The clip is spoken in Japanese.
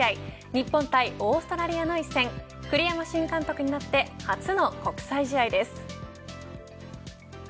日本対オーストラリアの一戦栗山新監督になって初の国際試合です。